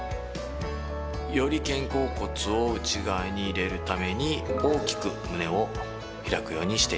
より肩甲骨を内側に入れるために大きく胸を開くようにしています。